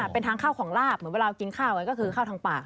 เป็นทางข้าวของลาบเมื่อเรากินข้าวก็คือข้าวทางปาก